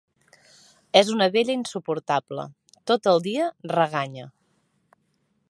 És una vella insuportable: tot el dia reganya.